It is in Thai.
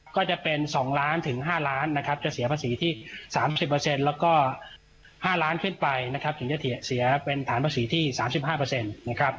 ก็จะเป็น๒ล้านถึง๕ล้านนะครับจะเสียภาษีที่๓๐แล้วก็๕ล้านขึ้นไปนะครับถึงจะเสียเป็นฐานภาษีที่๓๕นะครับ